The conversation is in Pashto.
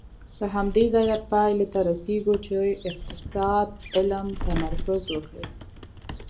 له همدې ځایه پایلې ته رسېږو چې اقتصاد علم تمرکز وکړي.